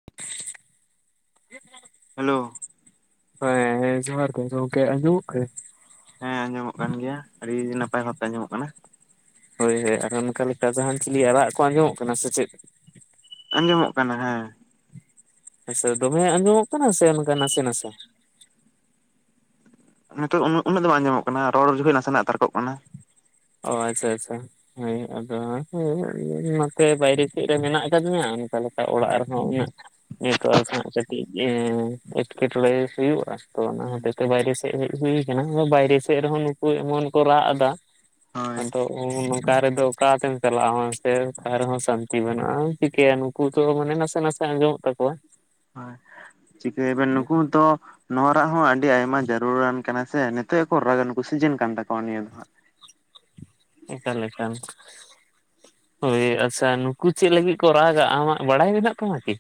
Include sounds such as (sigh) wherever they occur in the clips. (inaudible) Hello, ᱦᱮᱸ ᱡᱚᱦᱟᱨ ᱜᱮ ᱜᱚᱢᱠᱮ ᱟᱡᱚᱢᱚᱜ ᱠᱟᱱᱟ? ᱦᱮᱸ ᱟᱸᱡᱚᱢᱚᱜ ᱠᱟᱱ ᱜᱮᱭᱟ, ᱟᱹᱰᱤ ᱱᱟᱯᱟᱭ ᱵᱷᱟᱵᱽ ᱛᱮ ᱟᱸᱡᱚᱢᱚᱜ ᱠᱟᱱᱟ᱾ ᱦᱳᱭ ᱦᱳᱭ ᱟᱨ ᱚᱱᱠᱟ ᱞᱮᱠᱟ ᱡᱟᱦᱟᱱ ᱪᱤᱞᱤᱭᱟᱜ ᱨᱟᱜ ᱠᱚ ᱟᱸᱡᱚᱢᱚᱜ ᱠᱟᱱᱟ ᱥᱮ ᱪᱮᱫ? ᱟᱸᱡᱚᱢᱚᱜ ᱠᱟᱱᱟ ᱦᱮᱸ᱾ ᱟᱪᱪᱷᱟ ᱫᱚᱢᱮ ᱟᱸᱡᱚᱢᱚᱜ ᱠᱟᱱᱟ ᱥᱮ ᱚᱱᱠᱟ ᱱᱟᱥᱮ ᱱᱟᱥᱮ? ᱱᱤᱛᱚᱜ ᱩᱱᱟᱹᱜ ᱩᱱᱟᱹᱜ ᱫᱚ ᱵᱟᱝ ᱟᱡᱚᱢᱚᱜ ᱠᱟᱱᱟ᱾ ᱨᱚᱲ ᱡᱚᱠᱷᱚᱱ ᱱᱟᱥᱮ ᱱᱟᱜ ᱛᱟᱨᱠᱚᱜ ᱠᱟᱱᱟ᱾ ᱚ ᱟᱪᱪᱷᱟ ᱟᱪᱪᱷᱟ, ᱦᱳᱭ ᱟᱫᱚ ᱦᱳᱭ ᱱᱚᱛᱮ ᱵᱟᱭᱨᱮ ᱥᱮᱫ ᱨᱮ ᱢᱮᱱᱟᱜ ᱟᱠᱟᱫᱤᱧᱟ ᱚᱱᱠᱟ ᱞᱮᱠᱟ ᱚᱲᱟᱜ ᱨᱮᱦᱚᱸ ᱩᱱᱟᱹᱜ, ᱱᱮᱴᱚᱣᱟᱨᱚᱠ ᱦᱚᱸ ᱠᱟᱹᱴᱤᱡ ᱮᱸ ᱮᱴᱠᱮᱴᱬᱮ ᱦᱩᱭᱩᱜᱼᱟ᱾ ᱛᱚ ᱚᱱᱟ ᱦᱩᱸ ᱦᱚᱛᱮ ᱛᱮ ᱵᱟᱭᱨᱮ ᱥᱮᱫ ᱦᱮᱡ ᱦᱩ ᱠᱟᱱᱟ᱾ ᱵᱟᱭᱨᱮ ᱥᱮᱫ ᱨᱮᱦᱚᱸ ᱱᱩᱠᱩ ᱮᱢᱚᱱ ᱠᱚ ᱨᱟᱜ ᱮᱫᱟ᱾ ᱦᱳᱭ ᱟᱫᱚ ᱱᱚᱝᱠᱟ ᱨᱮᱫᱚ ᱚᱠᱟᱛᱮᱢ ᱪᱟᱞᱟᱜᱼᱟ ᱢᱟᱥᱮ ᱚᱠᱟ ᱨᱮᱦᱚᱸ ᱥᱟᱱᱛᱤ ᱢᱮᱱᱟᱜ-ᱟ ᱪᱤᱠᱟᱹᱭᱟ? ᱩᱱᱠᱩ ᱛᱚ ᱢᱟᱱᱮ ᱱᱟᱥᱮ ᱱᱟᱥᱮ ᱟᱸᱡᱚᱢᱚᱜ ᱛᱟᱠᱚᱣᱟ᱾ ᱟᱨ ᱪᱤᱠᱟᱹᱭᱟᱹᱵᱤᱱ ᱱᱩᱠᱩ ᱦᱚᱛᱚ, ᱱᱚᱣᱟ ᱨᱟᱜ ᱦᱚᱸ ᱟᱹᱰᱤ ᱟᱭᱢᱟ ᱡᱟᱹᱨᱩᱲᱟᱱ ᱠᱟᱱᱟ ᱥᱮ ᱱᱤᱛᱚᱜ ᱜᱮᱠᱚ ᱨᱟᱜᱟ ᱥᱤᱡᱤᱱ ᱠᱟᱱ ᱛᱟᱠᱚᱣᱟ ᱱᱤᱭᱟᱹ ᱫᱚ ᱦᱟᱸᱜ᱾ ᱮᱠᱟᱞ ᱮᱠᱟᱞ᱾ ᱦᱳᱭ ᱟᱪᱪᱷᱟ ᱱᱩᱠᱩ ᱪᱮᱫ ᱞᱟᱹᱜᱤᱫ ᱠᱚ ᱨᱟᱜᱟ ᱟᱢᱟᱜ ᱵᱟᱲᱟᱭ ᱢᱮᱱᱟᱜ ᱛᱟᱢᱟ ᱠᱤ?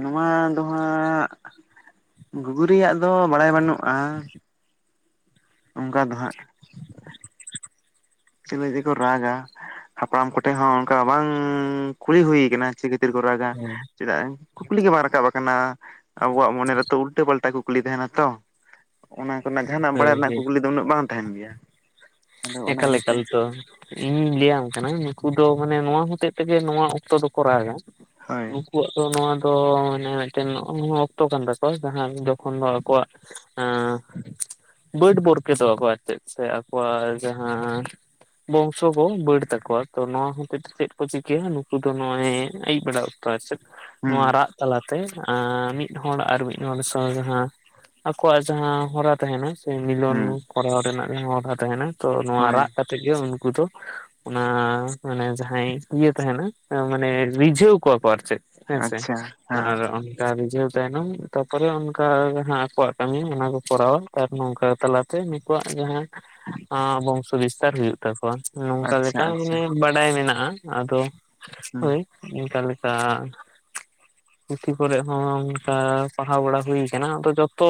ᱱᱚᱣᱟ ᱫᱚ ᱦᱟᱸᱜ ᱜᱩᱜᱨᱤᱭᱟᱜ ᱫᱚ ᱵᱟᱲᱟᱭ ᱵᱟᱹᱱᱩᱜᱼᱟ ᱚᱱᱠᱟ ᱫᱚ ᱦᱟᱸᱜ᱾ ᱪᱮᱞᱮ ᱡᱮᱠᱚ ᱨᱟᱜ-ᱟ ᱦᱟᱯᱲᱟᱢ ᱠᱚᱴᱷᱮᱱ ᱦᱚᱸ ᱚᱱᱠᱟ ᱵᱟᱝ ᱠᱩᱞᱤ ᱦᱩᱭ ᱠᱟᱱᱟ ᱪᱮᱫ ᱠᱷᱟᱛᱤᱨ ᱠᱚ ᱨᱟᱜ-ᱟ ᱦᱳᱭ ᱪᱮᱫᱟᱜ ᱠᱩᱠᱞᱤ ᱜᱮ ᱵᱟᱝ ᱨᱟᱠᱟᱵ ᱟᱠᱟᱱᱟ ᱟᱵᱚᱣᱟᱜ ᱢᱚᱱᱮ ᱨᱮᱛᱚ ᱩᱞᱴᱟᱹ ᱯᱟᱞᱴᱟ ᱠᱩᱠᱞᱤ ᱛᱟᱦᱮᱱᱟ ᱛᱚ᱾ ᱚᱱᱟ ᱠᱚᱨᱮᱱᱟᱜ ᱡᱟᱦᱟᱱᱟᱜ ᱦᱳᱭ ᱵᱟᱲᱟᱭ ᱨᱮᱱᱟᱜ ᱦᱳᱭ ᱠᱩᱠᱞᱤ ᱫᱚ ᱩᱱᱟᱹᱜ ᱵᱟᱝ ᱛᱟᱦᱮᱱ ᱜᱮᱭᱟ᱾ ᱟᱫᱚ ᱚᱱᱟ ᱮᱠᱟᱞ ᱤᱭᱟᱹᱛᱮ ᱮᱠᱟᱞ ᱛᱚ ᱤᱧᱤᱧ ᱞᱟᱹᱭᱟᱢ ᱠᱟᱱᱟ ᱱᱩᱠᱩ ᱫᱚ ᱢᱟᱱᱮ ᱱᱚᱣᱟ ᱦᱚᱛᱮᱜ ᱛᱮᱜᱮ ᱱᱚᱣᱟ ᱚᱠᱛᱚ ᱫᱚᱠᱚ ᱨᱟᱜ-ᱟ ᱦᱳᱭ (unintelligible) ᱱᱩᱠᱩᱣᱟᱜ ᱫᱚ ᱱᱚᱣᱟ ᱫᱚ ᱢᱟᱱᱮ ᱢᱤᱫᱴᱮᱱ (unintelligible) ᱚᱠᱛᱚ ᱠᱟᱱ ᱛᱟᱠᱚᱣᱟ ᱡᱟᱦᱟᱸ ᱡᱚᱠᱷᱚᱱ ᱫᱚ ᱟᱠᱚᱣᱟᱜ ᱮ ᱵᱟᱹᱰ ᱵᱚᱨᱠᱮᱛᱚᱜ ᱟᱠᱚ ᱟᱨ ᱪᱮᱫ ᱥᱮ ᱟᱠᱚᱣᱟᱜ ᱡᱟᱦᱟᱸ ᱵᱚᱝᱥᱚ ᱠᱚ ᱵᱟᱹᱲ ᱛᱟᱠᱚᱣᱟ ᱛᱚ ᱱᱚᱣᱟ ᱦᱚᱛᱮᱡ ᱛᱮ ᱪᱮᱫ ᱠᱚ ᱪᱤᱠᱟᱹᱭᱟ ᱱᱩᱠᱩ ᱫᱚ ᱱᱚᱜᱼᱚᱭ ᱟᱹᱭᱩᱵ ᱵᱮᱲᱟ ᱚᱠᱛᱚ ᱟᱨ ᱪᱮᱫ ᱦᱩᱸ ᱱᱚᱣᱟ ᱨᱟᱜ ᱛᱟᱞᱟᱛᱮ ᱛᱮ ᱢᱤᱫ ᱦᱚᱲ ᱟᱨ ᱢᱤᱫ ᱦᱚᱲ ᱥᱟᱶ ᱡᱟᱦᱟᱸ ᱟᱠᱚᱣᱟᱜ ᱡᱟᱦᱟᱸ ᱦᱚᱨᱟ ᱛᱟᱦᱮᱱᱟ ᱦᱩᱸ ᱢᱤᱞᱚᱱ ᱠᱚᱨᱟᱣ ᱨᱮᱱᱟᱜ ᱡᱟᱦᱟᱸ ᱦᱚᱨᱟ ᱛᱟᱦᱮᱱᱟ ᱛᱚ ᱱᱚᱣᱟ ᱦᱳᱭ ᱨᱟᱜ ᱠᱟᱛᱮᱜ ᱜᱮ ᱩᱱᱠᱩ ᱫᱚ ᱚᱱᱟ ᱢᱟᱱᱮ ᱡᱟᱦᱟᱸᱭ ᱤᱭᱟᱹ ᱛᱟᱦᱮᱱᱟ ᱢᱟᱱᱮ ᱨᱤᱡᱷᱟᱹᱣ ᱠᱚᱣᱟ ᱠᱚ ᱟᱨ ᱪᱮᱫ ᱦᱮᱸ ᱥᱮ ᱟᱪᱪᱷᱟ ᱦᱮᱸ ᱟᱨ ᱚᱱᱠᱟ ᱨᱤᱡᱷᱟᱹᱣ ᱛᱟᱭᱱᱚᱢ ᱛᱟᱯᱚᱨᱮ ᱚᱱᱠᱟ ᱡᱟᱦᱟᱸ ᱟᱠᱚᱣᱟᱜ ᱠᱟᱹᱢᱤ ᱚᱱᱟ ᱠᱚ ᱠᱚᱨᱟᱣᱟ᱾ ᱟᱨ ᱱᱚᱝᱠᱟ ᱛᱟᱞᱟᱛᱮ ᱱᱩᱠᱩᱣᱟᱜ ᱡᱟᱦᱟᱸ (inaudible) ᱵᱚᱝᱥᱚ ᱵᱤᱥᱛᱟᱨ ᱦᱩᱭᱩᱜ ᱛᱟᱠᱚᱣᱟ ᱱᱚᱝᱠᱟ ᱟᱪᱪᱷᱟ ᱞᱮᱠᱟ ᱟᱪᱪᱷᱟ ᱢᱟᱱᱮ ᱵᱟᱰᱟᱭ ᱢᱮᱱᱟᱜᱼᱟ ᱟᱫᱚ ᱦᱩᱸ ᱦᱳᱭ ᱚᱱᱠᱟ ᱞᱮᱠᱟ ᱯᱩᱛᱷᱤ ᱠᱚᱨᱮ ᱦᱚᱸ ᱚᱱᱠᱟ ᱯᱟᱲᱦᱟᱣ ᱵᱟᱲᱟ ᱦᱩᱭ ᱟᱠᱟᱱᱟ ᱟᱫᱚ ᱡᱚᱛᱚ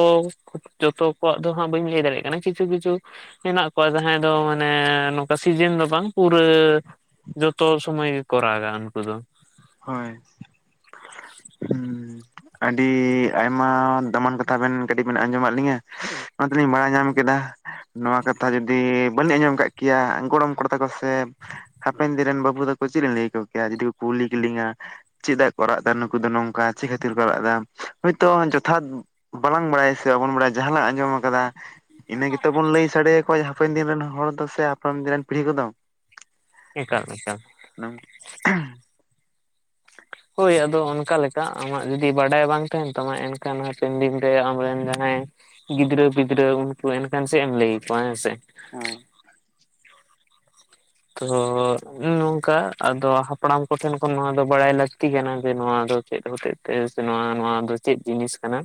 ᱡᱚᱛᱚ ᱠᱚᱣᱟᱜ ᱫᱚ ᱦᱟᱸᱜ ᱵᱟᱹᱧ ᱞᱟᱹᱭ ᱫᱟᱲᱮᱭᱟᱜ ᱠᱟᱱᱟ ᱠᱤᱪᱷᱩ ᱠᱤᱪᱷᱩ ᱦᱮᱱᱟᱜ ᱠᱚᱣᱟ ᱡᱟᱦᱟᱸᱭ ᱫᱚ ᱢᱟᱱᱮ ᱱᱚᱝᱠᱟ ᱥᱤᱡᱮᱱ ᱫᱚ ᱵᱟᱝ ᱯᱩᱨᱟᱹ ᱡᱚᱛᱚ ᱥᱚᱢᱚᱭ ᱜᱮᱠᱚ ᱨᱟᱜ-ᱟ ᱩᱱᱠᱩ ᱫᱚ᱾ ᱦᱳᱭ ᱦᱩᱸ ᱟᱹᱰᱤ ᱟᱭᱢᱟ ᱫᱟᱢᱟᱱ ᱠᱟᱛᱷᱟ ᱵᱮᱱ ᱠᱟᱹᱴᱤᱡ ᱵᱮᱱ ᱟᱸᱡᱚᱢᱟᱫ ᱞᱤᱧᱟᱹ ᱚᱱᱟ ᱛᱮᱞᱤᱧ ᱵᱟᱲᱟᱭ ᱧᱟᱢ ᱠᱮᱫᱟ ᱱᱚᱣᱟ ᱠᱟᱛᱷᱟ ᱡᱩᱫᱤ ᱵᱟᱹᱞᱤᱧ ᱟᱸᱡᱚᱢ ᱠᱟᱜ ᱠᱮᱭᱟ ᱜᱚᱲᱚᱢ ᱠᱚᱲᱟ ᱛᱟᱠᱚ ᱥᱮ ᱦᱟᱯᱮᱱ ᱫᱤᱱ ᱨᱮᱱ ᱵᱟᱹᱵᱩ ᱛᱟᱠᱚ ᱪᱮᱫ ᱞᱤᱧ ᱞᱟᱹᱭ ᱟᱠᱚ ᱠᱮᱭᱟ ᱡᱩᱫᱤ ᱠᱚ ᱠᱩᱞᱤ ᱠᱮᱞᱤᱧᱟ ᱪᱮᱫᱟᱜ ᱠᱚ ᱨᱟᱜ ᱮᱫᱟ ᱱᱩᱠᱩ ᱫᱚ ᱱᱚᱝᱠᱟ ᱪᱮᱫ ᱠᱷᱟᱹᱛᱤᱨ ᱠᱚ ᱨᱟᱜ ᱮᱫᱟ ᱦᱳᱭᱛᱚ ᱡᱚᱛᱷᱟᱫ ᱵᱟᱞᱟᱝ ᱵᱟᱲᱟᱭᱟ ᱥᱮ ᱵᱟᱵᱚᱱ ᱵᱟᱲᱟᱭᱟ ᱡᱟᱦᱟᱸ ᱞᱟᱝ ᱟᱸᱡᱚᱢ ᱟᱠᱟᱫᱟ ᱤᱱᱟᱹ ᱜᱮᱛᱚ ᱵᱚᱱ ᱞᱟᱹᱭ ᱥᱟᱰᱮᱭᱟᱠᱚᱣᱟ ᱦᱟᱯᱮᱱ ᱫᱤᱱ ᱨᱮᱱ ᱦᱚᱲ ᱫᱚ ᱥᱮ ᱦᱟᱯᱮᱱ ᱫᱤᱱ ᱨᱮᱱ ᱯᱤᱲᱦᱤ ᱠᱚᱫᱚ᱾ ᱮᱠᱟᱞ ᱮᱠᱟᱞ (unintelligible) ᱦᱳᱭ ᱟᱫᱚ ᱚᱱᱠᱟ ᱞᱮᱠᱟ ᱟᱢᱟᱜ ᱡᱩᱫᱤ ᱵᱟᱰᱟᱭ ᱵᱟᱝ ᱛᱟᱦᱮᱱ ᱛᱟᱢᱟ ᱮᱱᱠᱷᱟᱱ ᱦᱟᱯᱮᱱ ᱫᱤᱱ ᱨᱮ ᱟᱢᱨᱮᱱ ᱡᱟᱦᱟᱸᱭ ᱜᱤᱫᱽᱨᱟᱹ ᱯᱤᱫᱽᱨᱟᱹ ᱩᱱᱠᱩ ᱮᱱᱠᱷᱟᱱ ᱪᱮᱫ ᱮᱢ ᱞᱟᱹᱭ ᱟᱠᱚᱣᱟ ᱦᱮᱸ ᱥᱮ᱾ ᱦᱳᱭ ᱛᱚ ᱱᱚᱝᱠᱟ ᱟᱫᱚ ᱦᱟᱯᱲᱟᱢ ᱠᱚᱴᱷᱮᱱ ᱠᱷᱚᱱ ᱱᱚᱣᱟ ᱫᱚ ᱵᱟᱲᱟᱭ ᱞᱟᱹᱠᱛᱤ ᱠᱟᱱᱟ ᱡᱮ ᱱᱚᱣᱟ ᱫᱚ ᱪᱮᱫ ᱦᱚᱛᱮᱡ ᱛᱮ ᱥᱮ ᱱᱚᱣᱟ ᱱᱚᱣᱟ ᱫᱚ ᱪᱮᱫ ᱡᱤᱱᱤᱥ ᱠᱟᱱᱟ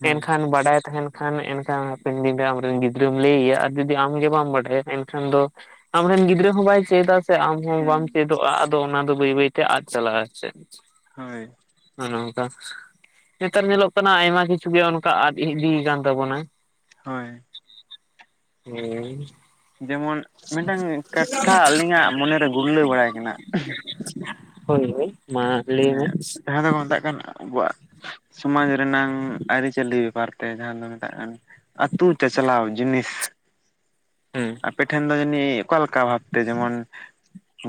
ᱦᱩᱸ ᱮᱱᱠᱷᱟᱱ ᱵᱟᱰᱟᱭ ᱛᱟᱦᱮᱱ ᱠᱷᱟᱱ ᱮᱱᱠᱷᱟᱱ ᱦᱟᱯᱮᱱ ᱫᱤᱱᱨᱮ ᱟᱢᱨᱮᱱ ᱜᱤᱫᱽᱨᱟᱹᱢ ᱞᱟᱹᱭ ᱟᱭᱟ ᱟᱨ ᱡᱩᱫᱤ ᱟᱢ ᱜᱮ ᱵᱟᱢ ᱵᱟᱰᱟᱭᱟ ᱮᱱᱠᱷᱟᱱ ᱫᱚ ᱟᱢ ᱨᱮᱱ ᱜᱤᱫᱽᱨᱟᱹ ᱦᱚᱸ ᱵᱟᱭ ᱪᱮᱫᱟ ᱥᱮ ᱟᱢ ᱦᱚᱸ ᱦᱩᱸ ᱵᱟᱢ ᱪᱮᱫᱚᱜᱼᱟ ᱟᱫᱚ ᱚᱱᱟ ᱫᱚ ᱵᱟᱹᱭ ᱵᱟᱹᱭᱛᱮ ᱟᱫ ᱪᱟᱞᱟᱜᱼᱟ ᱟᱨ ᱪᱮᱫ᱾ ᱦᱳᱭ ᱱᱚᱦ ᱱᱚᱝᱠᱟᱼᱼ ᱱᱮᱛᱟᱨ ᱧᱮᱞᱚᱜ ᱠᱟᱱᱟ ᱟᱭᱢᱟ ᱠᱤᱪᱷᱩ ᱜᱮ ᱚᱱᱠᱟ ᱟᱫ ᱤᱫᱤᱭ ᱠᱟᱱᱟ ᱛᱟᱵᱚᱱᱟ ᱦᱳᱭ ᱦᱩᱸ ᱡᱮᱢᱚᱱ ᱢᱤᱫᱴᱟᱝ ᱠᱟᱛᱷᱟ ᱟᱹᱞᱤᱧᱟᱜ ᱢᱚᱱᱮ ᱨᱮ ᱜᱩᱨᱞᱟᱹᱣ ᱵᱟᱲᱟᱭ ᱠᱟᱱᱟ ᱦᱚᱭ ᱦᱚᱭ ᱢᱟᱱᱮ ᱡᱟᱦᱟᱸ ᱫᱚᱠᱚ ᱢᱮᱛᱟᱜ ᱠᱟᱱᱟ ᱟᱵᱚᱣᱟᱜ ᱥᱚᱢᱟᱡᱽ ᱨᱮᱱᱟᱝ ᱟᱹᱨᱤᱪᱟᱹᱞᱤ ᱵᱮᱯᱟᱨ ᱛᱮ ᱡᱟᱦᱟᱸ ᱫᱚ ᱢᱮᱛᱟᱜ ᱠᱟᱱ ᱟᱹᱛᱩ ᱪᱟᱪᱞᱟᱣ ᱡᱤᱱᱤᱥᱼᱼ ᱦᱮᱸ ᱟᱯᱮ ᱴᱷᱮᱱ ᱫᱚ ᱡᱟᱹᱱᱤ ᱚᱠᱟ ᱞᱮᱠᱟ ᱵᱷᱟᱵ ᱛᱮ ᱡᱮᱢᱚᱱ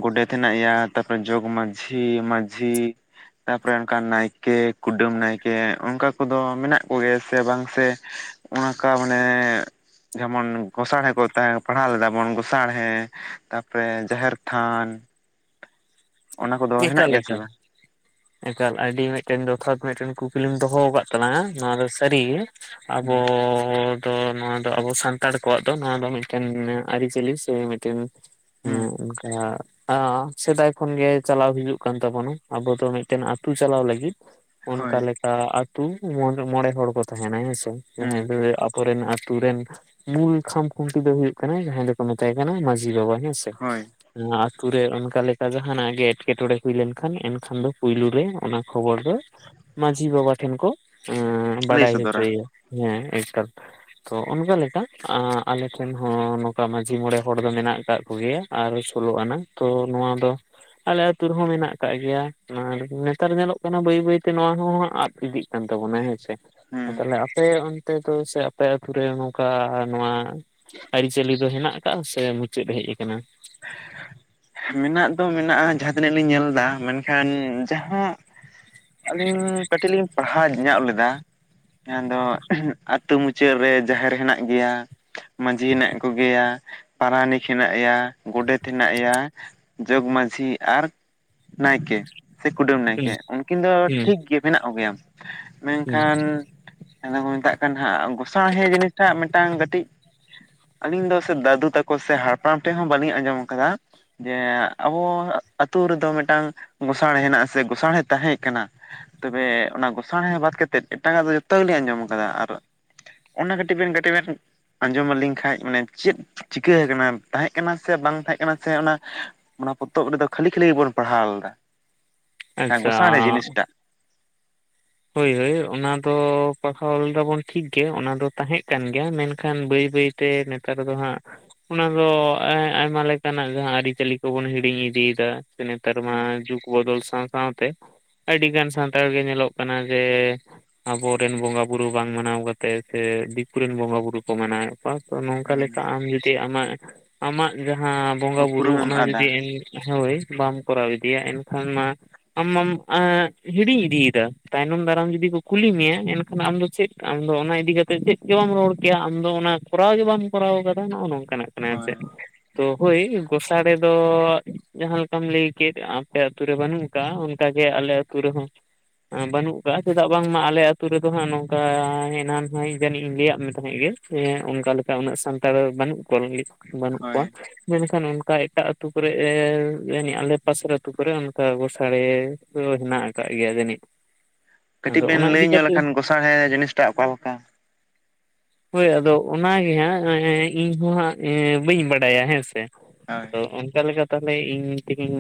ᱜᱚᱰᱮᱛ ᱦᱮᱱᱟᱜᱭᱟ ᱛᱟᱨ ᱯᱚᱨᱮ ᱡᱚᱜᱽ ᱢᱟᱹᱡᱷᱤ, ᱢᱟᱺᱡᱷᱤ ᱛᱟᱨᱯᱚᱨᱮ ᱚᱱᱠᱟ ᱱᱟᱭᱠᱮ ᱠᱩᱰᱟᱹᱢ ᱱᱟᱭᱠᱮ ᱚᱱᱠᱟ ᱠᱚᱫᱚ ᱢᱮᱱᱟᱜ ᱠᱚ ᱜᱮᱭᱟ ᱥᱮ ᱵᱟᱝ ᱥᱮᱼᱼ ᱚᱱᱠᱟ ᱢᱟᱱᱮᱼᱼ ᱡᱮᱢᱚᱱ ᱜᱚᱸᱥᱟᱲᱦᱮ ᱠᱚ ᱛᱟᱦᱮᱸ ᱯᱟᱲᱦᱟᱣ ᱞᱮᱫᱟ ᱵᱚᱱ ᱜᱚᱸᱥᱟᱲᱦᱮ ᱛᱟᱨ ᱯᱚᱨᱮ ᱡᱟᱦᱮᱨ ᱛᱷᱟᱱ ᱚᱱᱟ ᱠᱚᱫᱚ ᱦᱮᱱᱟᱜ ᱜᱮᱭᱟ ᱥᱮ ᱵᱟᱝ (unintelligible) ᱮᱠᱟᱞ ᱟᱹᱰᱤ ᱢᱤᱫᱴᱮᱱ ᱡᱚᱛᱷᱟᱛ ᱢᱤᱫᱴᱮᱱ ᱠᱩᱠᱞᱤᱢ ᱫᱚᱦᱚ ᱟᱠᱟᱫ ᱛᱟᱞᱟᱝ ᱱᱚᱣᱟ ᱫᱚ ᱥᱟᱹᱨᱤ ᱜᱮ ᱟᱵᱚᱻ ᱟᱫᱚ ᱱᱚᱣᱟ ᱫᱚ ᱟᱵᱚ ᱥᱟᱱᱛᱟᱲ ᱠᱚᱣᱟᱜ ᱫᱚ ᱱᱚᱣᱟ ᱫᱚ ᱢᱤᱫᱴᱮᱱ ᱟᱹᱨᱤᱪᱟᱹᱞᱤ ᱥᱮ ᱢᱤᱫᱴᱮᱱ ᱦᱩᱸ ᱚᱱᱠᱟ ᱟ ᱥᱮᱫᱟᱭ ᱚᱠᱷᱚᱱ ᱜᱮ ᱪᱟᱞᱟᱣ ᱦᱩᱭᱩᱜ ᱠᱟᱱ ᱛᱟᱵᱚᱱᱟ ᱟᱵᱚ ᱫᱚ ᱢᱤᱫᱴᱮᱱ ᱟᱹᱛᱩ ᱪᱟᱞᱟᱣ ᱞᱟᱹᱜᱤᱫ ᱚᱱᱠᱟ ᱦᱳᱭ (unintelligible) ᱟᱻ ᱟᱹᱛᱩ ᱢᱚᱬᱮ ᱦᱚᱲ ᱠᱚ ᱛᱟᱦᱮᱱᱟ ᱦᱮᱸᱥᱮ ᱦᱩᱸ ᱡᱟᱦᱟᱸᱭ ᱫᱚ (unintelligible) ᱠᱚᱨᱮᱱᱟᱜ ᱟᱹᱛᱩ ᱨᱮᱱ ᱢᱩᱞ ᱠᱷᱟᱢ ᱠᱷᱩᱱᱴᱤ ᱫᱚ ᱦᱩᱭᱩᱜ ᱠᱟᱱᱟ ᱡᱟᱦᱟᱸᱭ ᱫᱚᱠᱚ ᱢᱮᱛᱟᱭ ᱠᱟᱱᱟ ᱢᱟᱺᱡᱷᱤ ᱵᱟᱵᱟ ᱦᱮᱸᱥᱮ ᱦᱳᱭ ᱚᱱᱟ ᱟᱛᱳ ᱨᱮ ᱚᱱᱠᱟ ᱞᱮᱠᱼᱼ ᱡᱟᱦᱟᱱᱟᱜ ᱜᱮ ᱮᱸᱴᱠᱮ ᱴᱚᱬᱮ ᱦᱩᱭ ᱞᱮᱱ ᱠᱷᱟᱱ ᱮᱱᱠᱷᱟᱱ ᱫᱚ ᱯᱳᱭᱞᱳ ᱨᱮ ᱚᱱᱟ ᱠᱷᱚᱵᱚᱨ ᱫᱚᱼᱼ ᱢᱟᱺᱡᱷᱤ ᱵᱟᱵᱟ ᱴᱷᱮᱱ ᱠᱚ ᱮᱸ ᱞᱟᱹᱭ ᱵᱟᱰᱟᱭ ᱥᱚᱫᱚᱨᱟ ᱦᱚᱪᱚᱭᱮᱭᱟ ᱦᱮᱸ ᱮᱠᱟᱞ ᱛᱚ ᱚᱱᱠᱟ ᱞᱮᱠᱟ ᱟᱸ ᱟᱞᱮ ᱴᱷᱮᱱ ᱦᱚᱸ ᱱᱚᱝᱠᱟ ᱢᱟᱺᱡᱷᱤ ᱢᱚᱬᱮ ᱦᱚᱲ ᱫᱚ ᱢᱮᱱᱟᱜ ᱟᱠᱟᱫ ᱠᱚ ᱜᱮᱭᱟ ᱾ ᱟᱨ ᱥᱳᱞᱳ ᱟᱱᱟ ᱛᱚ ᱱᱚᱣᱟ ᱫᱚ ᱟᱞᱮ ᱟᱛᱳ ᱨᱮᱦᱚᱸ ᱢᱮᱱᱟᱜ ᱟᱠᱟᱜ ᱜᱮᱭᱟ ᱟᱨ ᱱᱮᱛᱟᱨ ᱧᱮᱞᱚᱜ ᱠᱟᱱᱟ ᱵᱟᱹᱭ ᱵᱟᱹᱭ ᱛᱮ ᱱᱚᱣᱟ ᱦᱚᱸ ᱟᱫ ᱤᱫᱤᱜᱼᱼ ᱠᱟᱱ ᱛᱟᱵᱚᱱᱟ ᱦᱮᱸᱥᱮ ᱦᱩᱸ ᱛᱟᱦᱞᱮ ᱟᱯᱮ ᱚᱱᱛᱮ ᱫᱚ ᱥᱮ ᱟᱯᱮ ᱟᱹᱛᱩ ᱨᱮ ᱱᱚᱝᱠᱟ ᱱᱚᱣᱟ ᱟᱹᱨᱤᱪᱟᱞᱤ ᱫᱚ ᱦᱮᱱᱟᱜ ᱟᱠᱟᱜᱼᱟ ᱥᱮ ᱢᱩᱪᱟᱹᱫ ᱦᱮᱡ ᱟᱠᱟᱱᱟ ᱾ ᱢᱮᱱᱟᱜ ᱫᱚ ᱢᱮᱱᱟᱜᱼᱟ ᱡᱟᱦᱟᱸ ᱛᱤᱱᱟᱹᱜ ᱞᱤᱧ ᱧᱮᱞ ᱮᱫᱟ ᱢᱮᱱ ᱠᱷᱟᱱ ᱡᱟᱦᱟᱸ ᱟᱹᱞᱤᱧ ᱠᱟᱹᱴᱤᱡ ᱞᱤᱧ ᱯᱟᱲᱦᱟᱣ ᱧᱚᱜ ᱞᱮᱫᱟ ᱟᱫᱚ ᱟᱹᱛᱩ ᱢᱩᱪᱟᱹᱫ ᱨᱮ ᱡᱟᱦᱮᱨ ᱦᱮᱱᱟᱜ ᱜᱮᱭᱟ ᱢᱟᱹᱡᱷᱤ ᱦᱮᱱᱟᱜ ᱠᱚ ᱜᱮᱭᱟ ᱯᱟᱨᱟᱱᱤᱠ ᱦᱮᱱᱟᱜᱭᱟ ᱜᱚᱰᱮᱛ ᱦᱮᱱᱟᱜᱭᱟ ᱡᱚᱜᱽ ᱢᱟᱺᱡᱷᱤ ᱟᱨ ᱱᱟᱭᱠᱮ ᱾ ᱥᱮ ᱠᱩᱰᱟᱹᱢ ᱦᱩᱸ ᱱᱟᱭᱠᱮ ᱩᱱᱠᱤᱱ ᱫᱚ ᱦᱩᱸ ᱴᱷᱤᱠ ᱜᱮ ᱢᱮᱱᱟᱜ ᱠᱚ ᱜᱮᱭᱟ ᱢᱮᱱ ᱦᱩᱸ ᱠᱷᱟᱱᱼᱼ ᱟ ᱫᱚ ᱠᱚ ᱢᱮᱛᱟᱜ ᱠᱟᱱ ᱦᱟᱸᱜ ᱜᱚᱸᱥᱟ ᱦᱮᱸ ᱡᱤᱱᱤᱥ ᱴᱟᱜ ᱢᱤᱫᱴᱟᱝ ᱠᱟᱹᱴᱤᱡ ᱟᱹᱞᱤᱧ ᱫᱚ ᱥᱮ ᱫᱟᱹᱫᱩ ᱛᱟᱠᱚ ᱥᱮ ᱦᱟᱯᱲᱟᱢ ᱴᱷᱮᱱ ᱦᱚᱸ ᱵᱟᱹᱞᱤᱧ ᱟᱸᱡᱚᱢ ᱟᱠᱟᱫᱟ ᱡᱮ ᱟᱵᱚ ᱟᱹᱛᱩ ᱨᱮ ᱫᱚ ᱢᱤᱫᱴᱟᱝ ᱜᱳᱥᱟᱸᱬᱮ ᱦᱮᱱᱟᱜᱼᱟ ᱥᱮ ᱜᱳᱥᱟᱸᱬᱮ ᱛᱟᱦᱮᱸ ᱠᱟᱱᱟ ᱾ ᱛᱚᱵᱮ ᱚᱱᱟ ᱜᱚᱸᱥᱟᱬᱮ ᱵᱟᱫ ᱠᱟᱛᱮᱫ ᱮᱴᱟᱜᱟᱜ ᱫᱚ ᱡᱚᱛᱚ ᱜᱮ ᱞᱤᱧ ᱟᱸᱡᱚᱢ ᱟᱠᱟᱫᱟ ᱟᱨ ᱚᱱᱟ ᱠᱟᱹᱴᱤᱡ ᱵᱮᱱ ᱠᱟᱹᱴᱤᱡ ᱵᱮᱱ ᱟᱸᱡᱚᱢ ᱟᱹᱞᱤᱧ ᱠᱷᱟᱱ ᱢᱟᱱᱮ ᱪᱮᱫ ᱪᱤᱠᱟᱹ ᱠᱟᱱᱟ ᱛᱟᱦᱮᱸᱫ ᱛᱟᱦᱮᱸ ᱠᱟᱱᱟ ᱥᱮ ᱵᱟᱝ ᱛᱟᱦᱮᱸ ᱠᱟᱱᱟ ᱥᱮ ᱚᱱᱟ ᱚᱱᱟ ᱯᱚᱛᱚᱵ ᱨᱮᱫᱚ ᱠᱷᱟᱹᱞᱤ ᱠᱷᱟᱹᱞᱤ ᱜᱮᱵᱚᱱ ᱯᱟᱲᱦᱟᱣ ᱞᱮᱫᱟ ᱾ ᱦᱮᱸ ᱟᱪᱪᱷᱟ ᱜᱚᱸᱥᱟᱬᱮ ᱡᱤᱱᱤᱥᱴᱟᱜ ᱦᱳᱭ ᱦᱳᱭ ᱚᱱᱟ ᱫᱚ ᱯᱟᱲᱦᱟᱣ ᱞᱮᱫᱟ ᱵᱚᱱ ᱴᱷᱤᱠ ᱜᱮ ᱚᱱᱟ ᱫᱚ ᱛᱟᱦᱮᱸ ᱠᱟᱱ ᱜᱮᱭᱟ ᱢᱮᱱ ᱠᱷᱟᱱ ᱵᱟᱹᱭ ᱵᱟᱹᱭ ᱛᱮ ᱱᱮᱛᱟᱨ ᱫᱚ ᱦᱟᱸᱜᱼᱼ ᱚᱱᱟ ᱫᱚ ᱮᱸ ᱟᱭᱢᱟ ᱞᱮᱠᱟᱱᱟᱜ ᱡᱟᱦᱟᱸ ᱟᱹᱨᱤᱪᱟᱹᱞᱤ ᱠᱚᱵᱚᱱ ᱦᱤᱲᱤᱧ ᱤᱫᱤᱭᱮᱫᱟ᱾ ᱱᱮᱛᱟᱨ ᱢᱟ ᱦᱮᱸ ᱡᱩᱜ ᱵᱚᱫᱚᱞ ᱥᱟᱶ ᱥᱟᱶᱛᱮ ᱟᱹᱰᱤ ᱜᱟᱱ ᱥᱟᱱᱛᱟᱲ ᱜᱮ ᱧᱮᱞᱚᱜ ᱠᱟᱱᱟ ᱡᱮ ᱟᱵᱚᱨᱮᱱ ᱵᱚᱸᱜᱟ ᱵᱩᱨᱩ ᱵᱟᱝ ᱢᱟᱱᱟᱣ ᱠᱟᱛᱮ ᱥᱮ ᱫᱤᱠᱩ ᱨᱮᱱ ᱵᱚᱸᱜᱟ ᱵᱩᱨᱩ ᱠᱚ ᱢᱟᱱᱟᱣᱮᱫ ᱛᱚ ᱱᱚᱝᱠᱟ ᱦᱮᱸ ᱞᱮᱠᱟ ᱟᱢ ᱡᱩᱫᱤ ᱟᱢᱟᱜ ᱟᱢᱟᱜ ᱡᱟᱦᱟᱸ ᱵᱚᱸᱜᱟ ᱵᱩᱨᱩ ᱩᱯᱨᱩᱢᱮᱢ ᱚᱱᱟ ᱟᱫᱟ ᱡᱩᱫᱤ ᱮᱢ ᱦᱳᱭ ᱵᱟᱢ ᱠᱚᱨᱟᱣ ᱤᱫᱤᱭᱟ ᱮᱱᱠᱷᱟᱱ ᱢᱟ ᱟᱢᱟᱢ ᱮᱸ ᱦᱤᱲᱤᱧ ᱤᱫᱤᱭᱮᱫᱟ᱾ ᱛᱟᱭᱱᱚᱢ ᱫᱟᱨᱟᱢ ᱡᱩᱫᱤ ᱠᱚ ᱠᱩᱞᱤ ᱢᱮᱭᱟ, ᱮᱱᱠᱷᱟᱱ ᱟᱢ ᱫᱚ ᱪᱮᱫ ᱟᱢᱫᱚ ᱚᱱᱟ ᱤᱫᱤ ᱠᱟᱛᱮ ᱪᱮᱫ ᱜᱮ ᱵᱟᱢ ᱨᱚᱲ ᱠᱮᱭᱟ ᱟᱢᱫᱚ ᱚᱱᱟ ᱠᱚᱨᱟᱣ ᱜᱮ ᱵᱟᱢ ᱠᱚᱨᱟᱣ ᱟᱠᱟᱫᱟ ᱱᱚᱜᱼᱚ ᱱᱚᱝᱠᱟᱱᱟᱜ ᱠᱟᱱᱟ ᱟᱨ ᱦᱳᱭ ᱪᱮᱫ᱾ ᱛᱚ ᱦᱳᱭ ᱜᱚᱸᱥᱟᱲᱮ ᱫᱚ ᱡᱟᱦᱟᱸ ᱞᱮᱠᱟᱢ ᱞᱟᱹᱭ ᱠᱮᱫ ᱟᱯᱮ ᱟᱛᱩ ᱨᱮ ᱵᱟᱹᱱᱩᱜ ᱠᱟᱜ-ᱟ ᱚᱱᱠᱟ ᱜᱮ ᱟᱞᱮ ᱟᱹᱛᱩ ᱨᱮᱦᱚᱸ ᱮᱸ ᱵᱟᱹᱱᱩᱜ ᱠᱟᱜ-ᱟ ᱪᱮᱫᱟᱜ ᱵᱟᱝ ᱢᱟ ᱟᱞᱮ ᱟᱹᱛᱩ ᱨᱮᱫᱚ ᱦᱟᱸᱜ ᱱᱚᱝᱠᱟ ᱮᱱᱟᱝ ᱦᱚᱸ ᱡᱟᱹᱱᱤᱡ ᱤᱧ ᱞᱟᱹᱭᱟᱫ ᱢᱮ ᱛᱟᱦᱮᱸᱫ ᱜᱮ᱾ ᱦᱮᱸ ᱚᱱᱠᱟ ᱞᱮᱠᱟ ᱩᱱᱟᱹᱜ ᱥᱟᱱᱛᱟᱲ ᱵᱟᱹᱱᱩᱜ ᱠᱚ ᱞᱟᱜᱤᱫ ᱵᱟᱹᱱᱩᱜ ᱠᱚᱣᱟ᱾ ᱦᱳᱭ ᱢᱮᱱᱠᱷᱟᱱ ᱚᱱᱠᱟ ᱮᱴᱟᱜ ᱟᱹᱛᱩ ᱠᱚᱨᱮ ᱮ ᱟᱞᱮ ᱯᱟᱥᱮᱨ ᱟᱹᱛᱩ ᱠᱚᱨᱮ ᱚᱱᱠᱟ ᱜᱚᱸᱥᱟᱲᱮ ᱫᱚ ᱦᱮᱱᱟᱜ ᱠᱟᱫ ᱜᱮᱭᱟ ᱡᱟᱱᱤᱡ᱾ ᱠᱟᱹᱴᱤᱡ ᱵᱮᱱ ᱞᱟᱹᱭ ᱧᱚᱜ ᱞᱮᱠᱷᱟᱱ ᱜᱚᱸᱥᱟᱬᱮ ᱡᱤᱱᱤᱥᱴᱟᱜ ᱚᱠᱟ ᱞᱮᱠᱟ? (inaudible) ᱦᱳᱭ ᱟᱫᱚ ᱚᱱᱟᱜᱮ ᱦᱟᱸᱜ ᱮᱸ ᱤᱧ ᱦᱟᱸᱜ ᱮᱸ ᱵᱟᱹᱧ ᱵᱟᱰᱟᱭᱟ, ᱦᱮᱸ ᱥᱮ᱾ ᱦᱳᱭ᱾ ᱛᱚ ᱚᱱᱠᱟ ᱞᱮᱠᱟ ᱛᱟᱦᱚᱞᱮ ᱤᱧ ᱛᱮᱜᱤᱧ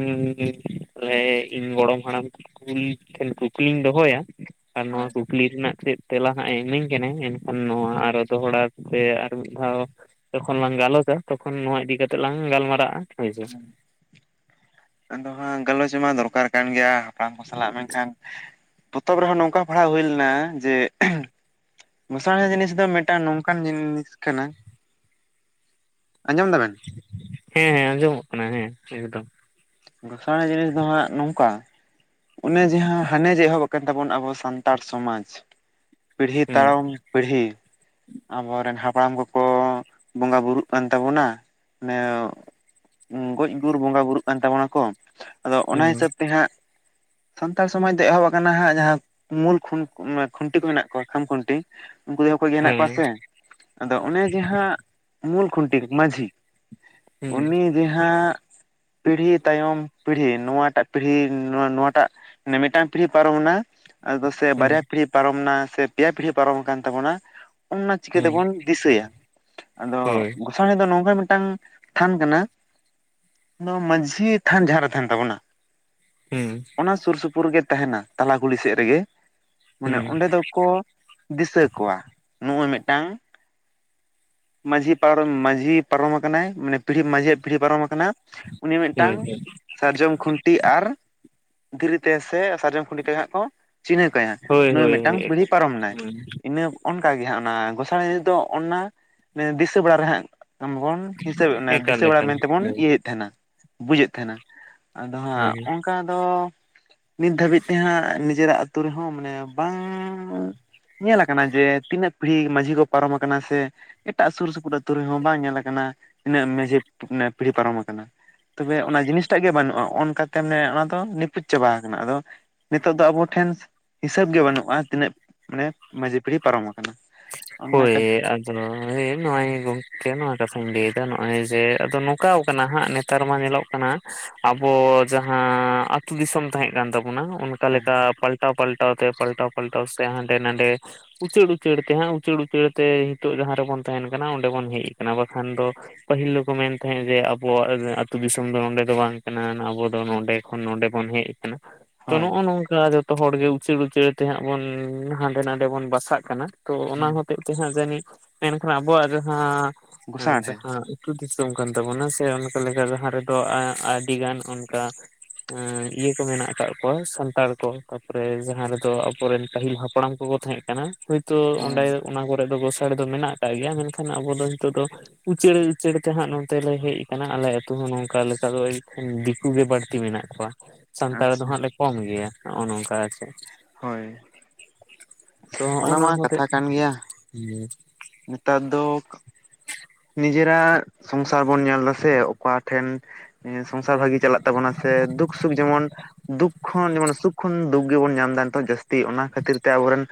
ᱢᱟᱱᱮ ᱤᱧ ᱜᱚᱲᱚᱢ ᱦᱟᱲᱟᱢ ᱠᱩᱞ ᱴᱷᱮᱱ ᱠᱩᱠᱞᱤᱧ ᱫᱚᱦᱚᱭᱟ, ᱟᱨ ᱦᱳᱭ ᱱᱚᱣᱟ ᱠᱩᱠᱞᱤ ᱨᱮᱱᱟᱜ ᱪᱮᱫ ᱛᱮᱞᱟ ᱦᱟᱸᱜ ᱮ ᱤᱢᱟᱹᱧ ᱠᱟᱱᱟᱭ, ᱮᱱᱠᱷᱟᱱ ᱱᱚᱣᱟ ᱟᱨᱚ ᱫᱚᱦᱲᱟ ᱥᱮ ᱟᱨ ᱢᱤᱫ ᱫᱷᱟᱣ ᱡᱚᱠᱷᱚᱱ ᱞᱟᱝ ᱜᱟᱞᱚᱪᱟ ᱛᱚᱠᱷᱚᱱ ᱱᱚᱣᱟ ᱤᱫᱤ ᱠᱟᱛᱮᱜ ᱞᱟᱝ ᱜᱟᱞᱢᱟᱨᱟᱜᱼᱟ ᱦᱳᱭ ᱥᱮ᱾ ᱟᱫᱚ ᱦᱟᱸᱜ ᱜᱟᱞᱚᱪ ᱢᱟ ᱫᱚᱨᱠᱟᱨ ᱠᱟᱱ ᱜᱮᱭᱟ, ᱦᱟᱯᱲᱟᱢ ᱠᱚ ᱥᱟᱞᱟᱜ ᱢᱮᱱᱠᱷᱟᱱ ᱛᱚᱛᱚᱵ ᱨᱮᱦᱚᱸ ᱱᱚᱝᱠᱟ ᱯᱟᱲᱦᱟᱣ ᱦᱩᱭ ᱞᱮᱱᱟ ᱡᱮ ᱜᱚᱸᱥᱟᱬᱦᱮ ᱡᱤᱱᱤᱥ ᱫᱚ ᱢᱤᱫᱴᱟᱝ ᱱᱚᱝᱠᱟᱱ ᱡᱤᱱᱤᱥ ᱠᱟᱱᱟ, ᱟᱸᱡᱚᱢ ᱫᱟᱵᱮᱱ? ᱦᱮᱸ ᱟᱸᱡᱚᱢᱚᱜ ᱠᱟᱱᱟ ᱦᱮᱸ ᱮᱠᱫᱚᱢ᱾ ᱜᱚᱸᱥᱟᱬᱮ ᱡᱤᱱᱤᱥ ᱫᱚ ᱦᱟᱸᱜ ᱱᱚᱝᱠᱟ ᱚᱱᱮ ᱡᱟᱦᱟᱸ ᱦᱟᱱᱮ ᱡᱮ ᱮᱦᱚᱵ ᱟᱠᱟᱱ ᱛᱟᱵᱚᱱ ᱟᱵᱚ ᱥᱟᱱᱛᱟᱲ ᱥᱚᱢᱟᱡᱽ ᱯᱤᱲᱦᱤ ᱦᱩᱸ ᱛᱟᱲᱚᱢ ᱯᱤᱲᱦᱤ᱾ ᱟᱵᱚᱨᱮᱱ ᱦᱟᱯᱲᱟᱢ ᱠᱚᱠᱚ ᱵᱚᱸᱜᱟ ᱵᱩᱨᱩᱜ ᱠᱟᱱ ᱛᱟᱵᱚᱱᱟ ᱢᱟᱱᱮ ᱩᱸ ᱜᱚᱡ ᱜᱩᱨ ᱵᱚᱸᱜᱟ ᱵᱩᱨᱩᱜ ᱠᱟᱱ ᱛᱟᱵᱚᱱᱟᱠᱚ ᱟᱫᱚ ᱚᱱᱟ ᱦᱩᱸ ᱦᱤᱥᱟᱹᱵ ᱛᱮ ᱦᱟᱸᱜ ᱥᱟᱱᱛᱟᱲ ᱥᱚᱢᱟᱡᱽ ᱫᱚ ᱮᱦᱚᱵ ᱟᱠᱟᱱᱟ ᱦᱟᱸᱜ ᱡᱟᱦᱟᱸ ᱢᱩᱞ ᱠᱷᱩᱱ ᱢᱟᱱᱮ ᱠᱷᱩᱱᱴᱤ ᱠᱚ ᱢᱮᱱᱟᱜ ᱠᱚᱣᱟ ᱠᱷᱟᱢ ᱠᱷᱩᱱᱴᱤ, ᱩᱱᱠᱩ ᱫᱚ ᱠᱷᱚᱡ ᱜᱮ ᱦᱮᱱᱟᱜ ᱠᱚᱣᱟ ᱦᱮᱸ ᱥᱮ, ᱟᱫᱚ ᱚᱱᱮ ᱡᱟᱦᱟᱸ ᱢᱩᱞ ᱠᱷᱩᱱᱴᱤ ᱢᱟᱺᱡᱷᱤ, ᱦᱩᱸ ᱩᱱᱤ ᱡᱟᱦᱟᱸ ᱯᱤᱲᱦᱤ ᱛᱟᱭᱚᱢ ᱯᱤᱲᱦᱤ ᱱᱚᱣᱟᱴᱟᱜ ᱯᱤᱲᱦᱤ ᱱᱚᱣᱟ ᱱᱚᱣᱟᱴᱟᱜ ᱱᱮ ᱢᱤᱫᱴᱟᱝ ᱯᱤᱲᱦᱤ ᱯᱟᱨᱚᱢ ᱱᱟ, ᱟᱫᱚ ᱥᱮ ᱦᱩᱸ ᱵᱟᱨᱭᱟ ᱯᱤᱲᱦᱤ ᱯᱟᱨᱚᱢ ᱱᱟ ᱥᱮ ᱯᱮᱭᱟ ᱯᱤᱲᱦᱤ ᱯᱟᱨᱚᱢ ᱟᱠᱟᱱ ᱛᱟᱵᱚᱱᱟ ᱚᱱᱱᱟ ᱪᱤᱠᱟᱹ ᱦᱩᱸ ᱛᱮᱵᱚᱱ ᱫᱤᱥᱟᱹᱭᱟ, ᱟᱫᱚ ᱦᱳᱭ ᱜᱚᱸᱥᱟᱬᱮ ᱫᱚ ᱱᱚᱝᱠᱟ ᱢᱤᱫᱴᱟᱝ ᱛᱷᱟᱱ ᱠᱟᱱᱟ ᱱᱚᱣᱟ ᱢᱟᱺᱡᱷᱤ ᱛᱷᱟᱱ ᱡᱟᱦᱟᱸᱨᱮ ᱛᱟᱦᱮᱱ ᱛᱟᱵᱚᱱᱟ ᱦᱮᱸ᱾ ᱚᱱᱟ ᱥᱩᱨ ᱥᱩᱯᱩᱨ ᱨᱮᱜᱮ ᱛᱟᱦᱮᱱᱟ, ᱛᱟᱞᱟ ᱠᱩᱞᱦᱤ ᱥᱮᱫ ᱨᱮᱜᱮ, ᱢᱟᱱᱮ ᱦᱩᱸ ᱚᱸᱰᱮ ᱫᱚ ᱠᱚ ᱫᱤᱥᱟᱹ ᱠᱚᱣᱟ ᱱᱚᱜᱼᱚᱭ ᱢᱤᱫᱴᱟᱝ ᱢᱟᱺᱡᱷᱤ ᱯᱟᱨᱚᱢ ᱢᱟᱺᱡᱷᱤ ᱯᱟᱨᱚᱢ ᱟᱠᱟᱱᱟᱭ ᱢᱟᱱᱮ ᱯᱤᱲᱦᱤ ᱢᱟᱡᱷᱤᱭᱟᱜ ᱯᱤᱲᱦᱤ ᱯᱟᱨᱚᱢ ᱟᱠᱟᱱᱟ ᱩᱱᱤ ᱦᱳᱭ ᱢᱤᱫᱴᱟᱝ ᱥᱟᱨᱡᱚᱢ ᱠᱷᱩᱱᱴᱤ ᱟᱨ ᱫᱷᱤᱨᱤ ᱛᱮ ᱥᱮ ᱥᱟᱨᱡᱚᱢ ᱠᱷᱛᱮ ᱦᱟᱸᱜ ᱠᱚ ᱪᱤᱱᱦᱟᱹ ᱠᱟᱭᱟ ᱦᱳᱭ ᱱᱩᱭ ᱦᱳᱭ ᱦᱳᱭ ᱢᱤᱫᱴᱟᱝ ᱦᱳᱭ ᱯᱤᱲᱦᱤ ᱮᱠᱟᱞ ᱯᱟᱨᱚᱢ ᱱᱟᱭ ᱦᱩᱸ ᱤᱱᱟᱹ ᱚᱱᱠᱟᱜ ᱜᱮ ᱦᱟᱸᱜ ᱚᱱᱟ ᱜᱚᱸᱥᱟᱬᱮ ᱫᱚ ᱚᱱᱟ ᱫᱤᱥᱟᱹ ᱵᱟᱲᱟ ᱨᱮ ᱦᱟᱸᱜ ᱵᱚᱱ ᱦᱤᱥᱟᱹᱵᱮᱫ ᱮᱠᱟᱞ ᱫᱤᱥᱟᱹ ᱵᱟᱲᱟ ᱮᱠᱟᱞ ᱢᱮᱱᱛᱮᱵᱚᱱ ᱦᱳᱭ ᱤᱭᱟᱹᱭᱮᱫ ᱛᱟᱦᱮᱱᱟ ᱵᱩᱡᱮᱫ ᱛᱟᱦᱮᱱᱟ ᱾ ᱟᱫᱚ ᱦᱟᱸᱜ ᱦᱳᱭ ᱚᱱᱠᱟ ᱫᱚ ᱱᱤᱛ ᱫᱷᱟᱹᱵᱤᱡ ᱛᱮ ᱦᱟᱸᱜ ᱱᱤᱡᱮᱨᱟᱜ, ᱟᱹᱛᱩ ᱨᱮᱦᱚᱸ ᱢᱟᱱᱮ ᱵᱟᱝ, ᱧᱮᱞᱟ ᱟᱠᱟᱱᱟ, ᱡᱮ ᱛᱤᱱᱟᱹᱜ ᱯᱤᱲᱦᱤ ᱢᱟᱺᱡᱷᱤ ᱠᱚ ᱯᱟᱨᱚᱢ ᱟᱠᱟᱱᱟ ᱥᱮ ᱮᱴᱟᱜ ᱥᱩᱨ ᱥᱩᱯᱩᱨ ᱟ ᱟᱹᱛᱩ ᱨᱮᱦᱚᱸ ᱵᱟᱝ ᱧᱮᱞ ᱟᱠᱟᱱᱟ ᱩᱱᱟᱹᱜ ᱢᱟᱡᱷᱮ ᱯᱤᱲᱦᱤ ᱯᱟᱨᱚᱢ ᱟᱠᱟᱱᱟ ᱾ ᱛᱚᱵᱮ ᱚᱱᱟ ᱡᱤᱱᱤᱥᱴᱟᱜ ᱜᱮ ᱵᱟᱹᱱᱩᱜᱼᱟ ᱚᱱᱠᱟᱛᱮ ᱚᱱᱟ ᱫᱚ ᱱᱤᱯᱩᱫ ᱪᱟᱵᱟ ᱟᱠᱟᱱᱟ ᱟᱫᱚ, ᱱᱤᱛᱚᱜ ᱫᱚ ᱟᱵᱚ ᱴᱷᱮᱱ ᱦᱤᱥᱟᱹᱵ ᱜᱮ ᱵᱟᱹᱱᱩᱜᱼᱟ, ᱛᱤᱱᱟᱹᱜ ᱢᱟᱱᱮ ᱢᱟᱺᱡᱷᱤ ᱯᱤᱲᱦᱤ ᱯᱟᱨᱚᱢ ᱟᱠᱟᱱᱟ ᱾ ᱦᱳᱭ ᱟᱨ (inaudible) ᱦᱮᱸ ᱚᱜᱚᱭ ᱜᱚᱝᱠᱮ ᱱᱚᱣᱟ ᱠᱟᱛᱷᱟᱧ ᱞᱟᱹᱭᱮᱫᱟ, ᱱᱚᱜᱼᱚᱭ ᱡᱮ ᱟᱫᱚ ᱱᱚᱝᱠᱟᱣ ᱠᱟᱱᱟ ᱦᱟᱸᱜ ᱱᱮᱛᱟᱨ ᱢᱟ ᱧᱮᱞᱚᱜ ᱼᱼ ᱠᱟᱱᱟ। ᱟᱵᱚ ᱡᱟᱦᱟᱸ ᱟᱹᱛᱩ ᱫᱤᱥᱚᱢ ᱛᱟᱦᱮᱸᱜ ᱠᱟᱱ ᱛᱟᱵᱚᱱᱟ, ᱚᱱᱟ ᱠᱟ ᱞᱮᱠᱟ ᱯᱟᱞᱴᱟᱣ ᱯᱟᱞᱴᱟᱣ ᱛᱮ, ᱯᱟᱞᱴᱟᱣ ᱯᱟᱞᱴᱟᱣ ᱥᱮ ᱦᱟᱸᱰᱮ ᱱᱟᱰᱮ ᱩᱪᱟᱹᱲ ᱩᱪᱟᱹᱲ ᱛᱮ ᱦᱟᱸᱜ ᱩᱪᱟᱹᱲ ᱩᱪᱟᱹᱲ ᱛᱮ, ᱱᱤᱛᱚᱜ ᱡᱟᱦᱟᱸ ᱨᱮᱵᱚᱱ ᱛᱟᱦᱮᱱ ᱠᱟᱱᱟ ᱚᱸᱰᱮ ᱵᱚᱱ ᱦᱮᱡ ᱟᱠᱟᱱᱟ। ᱵᱟᱠᱷᱟᱱ ᱫᱚ ᱯᱟᱹᱦᱤᱞ ᱫᱚᱠᱚ ᱢᱮᱱ ᱛᱟᱦᱮᱸᱫ ᱡᱮ ᱟᱵᱚᱣᱟᱜ ᱟᱹᱛᱩ ᱫᱤᱥᱚᱢ ᱫᱚ ᱱᱚᱰᱮ ᱫᱚ ᱵᱟᱝ ᱠᱟᱱᱟ। ᱟᱵᱚ ᱫᱚ ᱱᱚᱰᱮ ᱠᱷᱚᱱ ᱱᱚᱰᱮ ᱵᱚᱱ ᱦᱮᱡ ᱟᱠᱟᱱᱟ ᱾ ᱛᱚ ᱦᱳᱭ ᱱᱚᱜᱼᱚᱭ ᱱᱚᱝᱠᱟ ᱡᱷᱚᱛᱚ ᱦᱚᱲ ᱜᱮ ᱩᱪᱟᱹᱲ ᱩᱪᱟᱹᱲ ᱛᱮᱦᱟᱸᱜ ᱵᱚᱱ ᱦᱟᱸᱰᱮ ᱱᱟᱰᱮ ᱵᱚᱱ ᱵᱟᱥᱟᱜ ᱠᱟᱱᱟ। ᱛᱚ ᱚᱱᱟ ᱦᱩᱸ ᱦᱚᱛᱮᱡ ᱛᱮᱦᱟᱸᱜ ᱡᱟᱹᱱᱤᱡ, ᱢᱮᱱᱠᱷᱟᱱ ᱟᱵᱚᱣᱟᱜ ᱡᱟᱦᱟᱸ ᱜᱚᱥᱟᱬ ᱦᱮᱸ ᱡᱟᱦᱟᱸ ᱟᱛᱩ ᱫᱤᱥᱚᱢ ᱠᱟᱱ ᱛᱟᱵᱚᱱᱟ। ᱥᱮ ᱚᱱᱠᱟ ᱞᱮᱠᱟ ᱡᱟᱦᱟᱸ ᱨᱮᱫᱚ ᱟ ᱟᱹᱰᱤ ᱜᱟᱱ ᱚᱱᱠᱟ ᱤᱭᱟᱹ ᱠᱚ ᱢᱮᱱᱟᱜ ᱟᱠᱟᱫ ᱠᱚᱣᱟ, ᱥᱟᱱᱛᱟᱲ ᱠᱚ। ᱛᱟᱯᱚᱨᱮ ᱡᱟᱦᱟᱸ ᱨᱮᱫᱚ ᱟᱵᱚᱨᱮᱱ ᱯᱟᱹᱦᱤᱞ ᱦᱟᱯᱲᱟᱢ ᱠᱚᱠᱚ ᱛᱟᱦᱮᱸᱜ ᱠᱟᱱᱟ, ᱦᱳᱭᱛᱳ ᱚᱸᱰᱮ ᱦᱳᱭ ᱚᱱᱟ ᱠᱚᱨᱮ ᱫᱚ ᱜᱳᱥᱟᱲᱤ ᱫᱚ ᱢᱮᱱᱟᱜ ᱟᱠᱟᱜ ᱜᱮᱭᱟ। ᱢᱮᱱᱠᱷᱟᱱ ᱟᱵᱚ ᱫᱚ ᱱᱤᱛᱚᱜ ᱫᱚ ᱩᱪᱟᱹᱲ ᱩᱪᱟᱹᱲ ᱛᱮ ᱦᱟᱸᱜ ᱱᱚᱛᱮ ᱞᱮ ᱦᱮᱡ ᱟᱠᱟᱱᱟ। ᱟᱞᱮ ᱟᱛᱩ ᱦᱚᱸ ᱱᱚᱝᱠᱟ ᱞᱮᱠᱟ ᱫᱚ ᱮᱱᱠᱷᱟᱱ ᱫᱤᱠᱩ ᱜᱮ ᱵᱟᱹᱲᱛᱤ ᱢᱮᱱᱟᱜ ᱠᱚᱣᱟ। ᱥᱟᱱᱛᱟᱲ ᱫᱚ ᱟᱪᱪᱷᱟ ᱦᱟᱸᱜ ᱞᱮ ᱠᱚᱢ ᱜᱮᱭᱟ, ᱱᱚᱜᱼᱚ ᱱᱚᱝᱠᱟ ᱟᱨ ᱪᱮᱫ ᱾ ᱦᱳᱭ ᱾ ᱛᱚ ᱦᱚᱸᱜᱼᱚᱱᱟ ᱦᱚᱛᱮᱡ ᱠᱟᱛᱷᱟ ᱛᱮ ᱠᱟᱱ ᱜᱮᱭᱟ ᱦᱮᱸ। ᱱᱮᱛᱟᱨ ᱫᱚ ᱱᱤᱡᱮᱨᱟᱜ ᱥᱚᱝᱥᱟᱨ ᱵᱚᱱ ᱧᱮᱞ ᱮᱫᱟ। ᱥᱮ ᱚᱠᱟ ᱴᱷᱮᱱ ᱥᱚᱝᱥᱟᱨ ᱵᱷᱟᱜᱤ ᱪᱟᱞᱟᱜ ᱛᱟᱵᱚᱱᱟ, ᱥᱮ ᱫᱩᱠᱷ ᱥᱩᱠᱷ ᱡᱮᱢᱚᱱ ᱫᱩᱠᱷ ᱠᱷᱚᱱ ᱡᱮᱢᱚᱱ ᱥᱩᱠᱷ ᱠᱷᱚᱱ ᱫᱩᱠᱷ ᱜᱮᱵᱚᱱ ᱧᱟᱢ ᱮᱫᱟ ᱱᱤᱛᱚᱜ ᱡᱟᱹᱥ ᱛᱤ। ᱚᱱᱟ ᱠᱷᱟᱹᱛᱤᱨ ᱛᱮ ᱟᱵᱚᱨᱮᱱ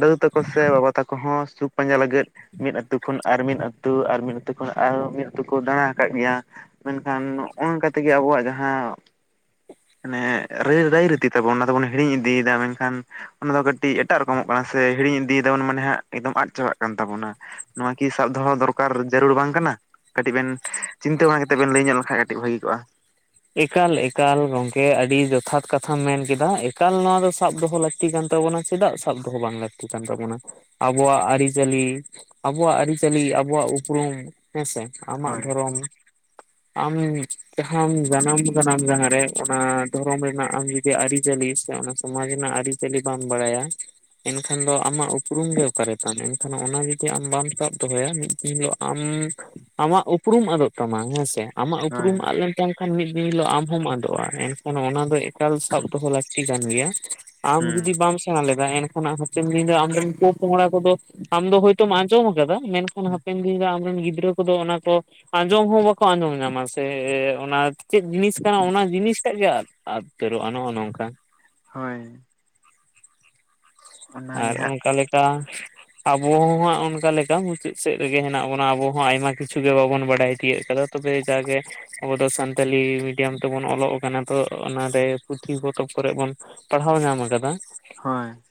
ᱫᱟᱫᱩ ᱛᱟᱠᱚ ᱥᱮ ᱵᱟᱵᱟ ᱛᱟᱠᱚ ᱦᱚᱸ ᱥᱩᱠᱷ ᱯᱟᱸᱡᱟ ᱞᱟᱹᱜᱤᱫ, ᱢᱤᱫ ᱟᱹᱛᱩ ᱠᱷᱚᱱ ᱟᱨ ᱢᱤᱫ ᱟᱹᱛᱩ ᱟᱨ ᱢᱤᱫ ᱟᱹᱛᱩ ᱠᱷᱚᱱ ᱟᱨ ᱢᱤᱫ ᱟᱹᱛᱩ ᱠᱚ ᱫᱟᱬᱟ ᱟᱠᱟᱫ ᱜᱮᱭᱟ ᱾ ᱢᱮᱱᱠᱷᱟᱱ, ᱱᱚᱜ ᱱᱚᱝᱠᱟ ᱛᱮᱜᱮ ᱟᱵᱚᱣᱟᱜ ᱡᱟᱦᱟᱸ ᱢᱟᱱᱮ ᱨᱟᱹᱭ ᱨᱟᱭ ᱨᱤᱛᱤ ᱛᱟᱵᱚᱱ ᱚᱱᱟ ᱫᱚᱵᱚᱱ ᱦᱤᱲᱤᱧ ᱤᱫᱤᱭᱮᱫᱟ। ᱢᱮᱱᱠᱷᱟᱱ, ᱚᱱᱟ ᱫᱚ ᱠᱟᱹᱴᱤᱡ ᱮᱴᱟᱜ ᱨᱚᱠᱚᱢᱚᱜ ᱠᱟᱱᱟ ᱥᱮ, ᱦᱤᱲᱤᱧ ᱤᱫᱤᱭᱮᱫᱟ ᱵᱚᱱ। ᱢᱟᱱᱮ ᱮᱠᱫᱚᱢ ᱟᱫ ᱪᱟᱵᱟᱜ ᱠᱟᱱ ᱛᱟᱵᱚᱱᱟ। ᱱᱚᱣᱟ ᱠᱤ ᱥᱟᱵ ᱫᱚᱦᱚ ᱫᱚᱨᱠᱟᱨ ᱡᱟᱹᱨᱩᱲ ᱵᱟᱝ ᱠᱟᱱᱟ? ᱠᱟᱹᱴᱤᱡ ᱵᱮᱱ ᱪᱤᱱᱛᱟᱹ ᱵᱟᱲᱟ ᱠᱟᱛᱮ ᱵᱮᱱ ᱞᱟᱹᱭ ᱧᱚᱜ ᱞᱮᱱᱠᱷᱟᱡ ᱠᱟᱹᱴᱤᱡ ᱵᱷᱟᱹᱜᱤ ᱠᱚᱜᱼᱟ ᱾ ᱮᱠᱟᱞ ᱮᱠᱟᱞ ᱜᱚᱝᱠᱮ ᱟᱹᱰᱤ ᱡᱚᱛᱷᱟᱛ ᱠᱟᱛᱷᱟᱢ ᱢᱮᱱ ᱠᱮᱫᱟ। ᱮᱠᱟᱞ ᱱᱚᱣᱟ ᱫᱚ ᱥᱟᱵ ᱫᱚᱦᱚ ᱞᱟᱹᱠ ᱛᱤ ᱠᱟᱱ ᱛᱟᱵᱚᱱᱟ, ᱪᱮᱫᱟᱜ ᱥᱟᱵ ᱫᱚᱦᱚ ᱵᱟᱝ ᱞᱟᱹᱠᱛᱤ ᱠᱟᱱ ᱛᱟᱵᱚᱱᱚ? ᱟᱵᱩᱣᱟᱜ ᱟᱹᱨᱤᱪᱟᱹᱞᱤ, ᱟᱵᱩᱣᱟᱜ ᱟᱹᱨᱤᱪᱟᱹᱞᱤ ᱟᱵᱚᱣᱟᱜ ᱩᱯᱨᱩᱢ ᱦᱮᱸᱥᱮ ᱾ ᱟᱢᱟᱜ ᱦᱳᱭ ᱫᱷᱚᱨᱚᱢ। ᱟᱢ ᱡᱟᱦᱟᱸᱢ ᱡᱟᱱᱟᱢ ᱡᱟᱱᱟᱢ ᱡᱟᱦᱟᱸ ᱨᱮ, ᱚᱱᱟ ᱫᱷᱚᱨᱚᱢ ᱨᱮᱱᱟᱜ ᱟᱢ ᱡᱩᱫᱤ ᱟᱹᱨᱤᱪᱟᱹᱞᱤ, ᱥᱮ ᱚᱱᱟ ᱥᱚᱢᱟᱡ ᱨᱮᱱᱟᱜ ᱟᱹᱨᱤ ᱪᱟᱹᱞᱤ ᱵᱟᱢ ᱵᱟᱲᱟᱭᱟ। ᱮᱱᱠᱷᱟᱱ ᱫᱚ ᱟᱢᱟᱜ ᱩᱯᱨᱩᱢ ᱜᱮ ᱚᱠᱟᱨᱮ ᱛᱟᱢ? ᱮᱱᱠᱷᱟᱱ ᱚᱱᱟ ᱡᱚᱫᱤ ᱟᱢ ᱵᱟᱢ ᱥᱟᱵ ᱫᱚᱦᱚᱭᱟ, ᱢᱤᱫ ᱫᱤᱱ ᱦᱤᱞᱚᱜ ᱟᱢ ᱟᱢᱟᱜ ᱩᱯᱨᱩᱢ ᱟᱫᱚᱜ ᱛᱟᱢᱟ। ᱦᱮᱸᱥᱮ? ᱟᱢᱟᱜ ᱦᱳᱭ ᱩᱯᱨᱩᱢ ᱟᱫ ᱞᱮᱱᱛᱟᱢ ᱠᱷᱟᱱ ᱢᱤᱫ ᱫᱤᱱ ᱦᱤᱞᱳᱜ ᱟᱢ ᱦᱚᱢ ᱟᱫᱚᱜᱼᱟ। ᱮᱱᱠᱷᱟᱱ ᱚᱱᱟ ᱫᱚ ᱮᱠᱟᱞ ᱥᱟᱵ ᱫᱚᱦᱚ ᱞᱟᱹᱠᱛᱤ ᱠᱟᱱ ᱜᱮᱭᱟ। ᱟᱢ ᱦᱩᱸ ᱡᱩᱫᱤ ᱵᱟᱢ ᱥᱮᱬᱟ ᱞᱮᱫᱟ ᱮᱱᱠᱷᱟᱱ ᱚᱱᱟ ᱪᱮᱢ (unintelligible) ᱟᱢᱨᱮᱱ ᱯᱚ ᱯᱚᱝᱲᱟ ᱠᱚᱫᱚ ᱟᱢ ᱫᱚ ᱦᱚᱭᱛᱚᱢ ᱟᱸᱡᱚᱢ ᱟᱠᱟᱫᱟ, ᱢᱮᱱᱠᱷᱟᱱ ᱦᱟᱯᱮᱱ ᱫᱤᱱ ᱨᱮ ᱟᱢ ᱨᱮᱱ ᱜᱤᱫᱽᱨᱟᱹ ᱠᱚᱫᱚ ᱚᱱᱟ ᱠᱚ ᱟᱸᱡᱚᱢ ᱦᱚᱸ ᱵᱟᱠᱚ ᱟᱸᱡᱚᱢ ᱧᱟᱢᱟ ᱥᱮᱻ ᱚᱱᱟ ᱪᱮᱫ ᱡᱤᱱᱤᱥ ᱠᱟᱱᱟ ᱚᱱᱟ ᱡᱤᱱᱤᱥ ᱴᱟᱜ ᱜᱮ ᱟᱫ ᱟᱫ ᱩᱛᱟᱹᱨᱚᱜᱼᱟ ᱱᱚᱜᱼᱚ ᱱᱚᱝᱠᱟ। ᱦᱳᱭ ᱟᱨ ᱚᱱᱟᱜᱮ ᱦᱟᱸᱜ ᱚᱱᱠᱟ ᱞᱮᱠᱟ ᱟᱵᱚ ᱦᱚᱸ ᱦᱟᱸᱜ ᱚᱱᱠᱟ ᱞᱮᱠᱟ ᱢᱩᱪᱟᱹᱫ ᱥᱮᱫ ᱨᱮᱜᱮ ᱦᱮᱱᱟᱜ ᱵᱚᱱᱟ। ᱟᱵᱚ ᱦᱚᱸ ᱟᱭᱢᱟ ᱠᱤᱪᱷᱩ ᱜᱮ ᱵᱟᱵᱚᱱ ᱵᱟᱰᱟᱭ ᱛᱤᱭᱟᱹᱜ ᱠᱟᱫᱟ। ᱛᱚᱵᱮ ᱡᱟᱜᱮ ᱟᱵᱚ ᱫᱚ ᱥᱟᱱᱛᱟᱞᱤ ᱢᱤᱰᱤᱭᱟᱢ ᱛᱮᱵᱚᱱ ᱚᱞᱚᱜ ᱠᱟᱱᱟ ᱛᱚ ᱚᱱᱟᱨᱮ ᱯᱩᱸᱛᱷᱤ ᱯᱚᱛᱚᱵᱽ ᱠᱚᱨᱮᱜ ᱵᱚᱱ ᱯᱟᱲᱦᱟᱣ ᱧᱟᱢ ᱟᱠᱟᱫᱟ᱾ ᱦᱳᱭ